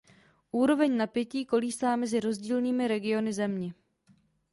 Úroveň napětí kolísá mezi rozdílnými regiony země.